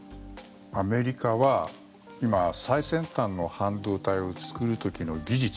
アメリカは今最先端の半導体を作る時の技術